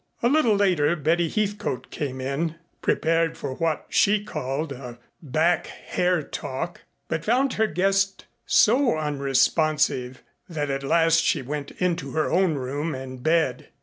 A little later Betty Heathcote came in prepared for what she called a "back hair talk," but found her guest so unresponsive that at last she went into her own room and bed.